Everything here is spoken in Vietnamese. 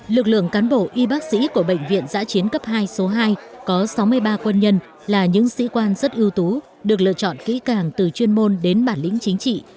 lực lượng cán bộ y bác sĩ của bệnh viện giã chiến cấp hai số hai có sáu mươi ba quân nhân là những sĩ quan rất ưu tú được lựa chọn kỹ càng từ chuyên môn đến bản lĩnh chính trị